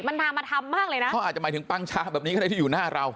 มันทางมาทำมากเลยนะเขาอาจจะหมายถึงปังชาแบบนี้ก็ได้ที่อยู่หน้าเรา